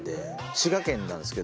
滋賀県なんですけど。